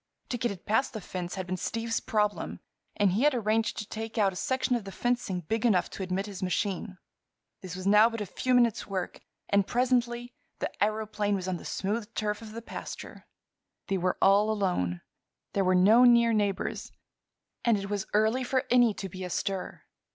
To get it past the fence had been Steve's problem, and he had arranged to take out a section of the fencing big enough to admit his machine. This was now but a few minutes' work, and presently the aëroplane was on the smooth turf of the pasture. They were all alone. There were no near neighbors, and it was early for any to be astir.